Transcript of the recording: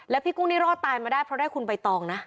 แล้วพี่กุ้งนี่รอดตายมาได้เพราะได้คุณใบตองนะ